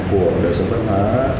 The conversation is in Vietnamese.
của nội sống văn hóa